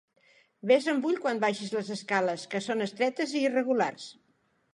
Vés amb ull quan baixis les escales que són estretes i irregulars.